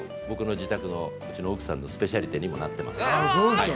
僕の自宅の奥さんのスペシャリテにもなっています。